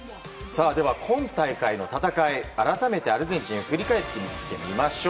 では、今大会の戦い、改めてアルゼンチンを振り返ってみます。